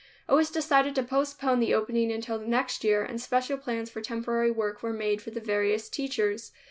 It was decided to postpone the opening until the next year and special plans for temporary work were made for the various teachers.